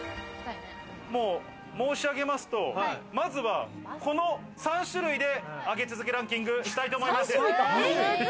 申し上げますと、まずはこの３種類で上げ続けランキングしたいと思います。